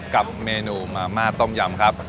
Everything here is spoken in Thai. กับเมนูมาม่าต้มยำครับ